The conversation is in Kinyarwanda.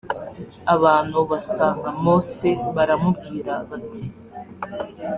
abantu basanga mose baramubwira bati